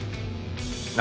何！？